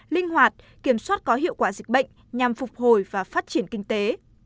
linh hoạt kiểm soát có hiệu quả dịch bệnh nhằm phục hồi và phát triển kinh tế